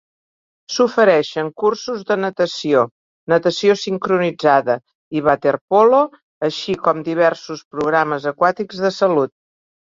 S'ofereixen cursos de natació, natació sincronitzada i waterpolo, així com diversos programes aquàtics de salut.